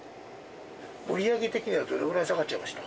売り上げ的にはどれぐらい下がっちゃいました？